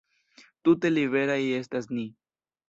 Tute liberaj estas ni!